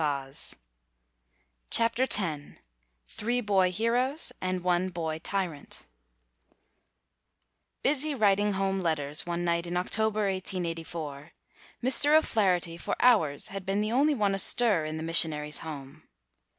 194 CHAPTER X THREE BOY HEROES AND ONE BOY TYRANT BUSY writing home letters, one night in October, 1884, Mr. O 'Flaherty for hours had been the only one astir in the missionaries' home.